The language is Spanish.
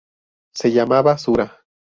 Se llamaba Sura.